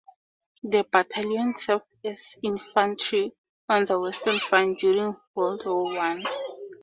The battalion served as infantry on the Western Front during World War One.